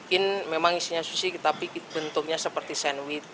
ini memang isinya sushi tapi bentuknya seperti sandwich